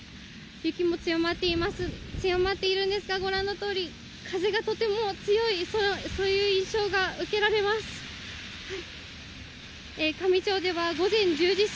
雪も強まっているんですがご覧のとおり風がとても強いという印象です。